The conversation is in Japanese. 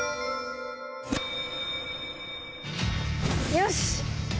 よし！